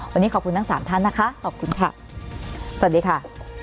วันนี้ขอบคุณทั้งสามท่านนะคะขอบคุณค่ะสวัสดีค่ะ